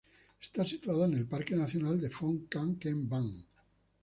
Está situada en el parque nacional de Phong Nha-Ke Bang.